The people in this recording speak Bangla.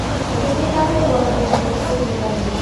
দিন দিন তাঁহাদের বলবীর্য বর্ধিত হইতে লাগিল।